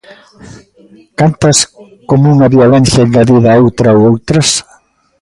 ¿Cantas como unha violencia engadida a outra ou outras?